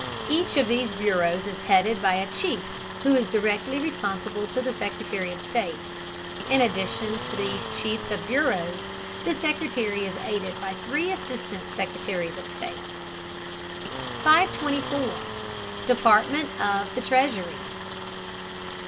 Each of these bureaus is headed by a chief who is directly responsible to the Secretary of State. In addition to these chiefs of bureaus, the Secretary is aided by three assistant secretaries of state. 524. DEPARTMENT OF THE TREASURY.